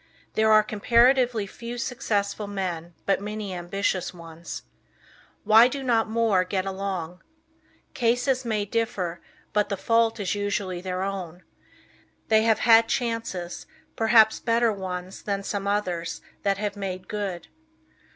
There are comparatively few successful men but many ambitious ones. Why do not more get along? Cases may differ, but the fault is usually their own. They have had chances, perhaps better ones than some others that have made good.